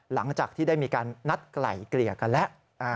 หลังจากที่ได้มีการนัดไกล่เกลี่ยกันแล้ว